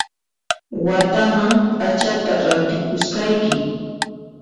Wataman p'achata rantipusqayki